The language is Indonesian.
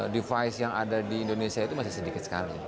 device yang ada di indonesia itu masih sedikit sekali